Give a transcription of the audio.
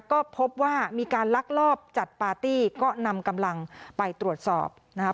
ก็พบว่ามีการลักลอบจัดปาร์ตี้ก็นำกำลังไปตรวจสอบนะครับ